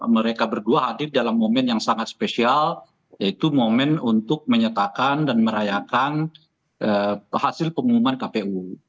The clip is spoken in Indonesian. mereka berdua hadir dalam momen yang sangat spesial yaitu momen untuk menyatakan dan merayakan hasil pengumuman kpu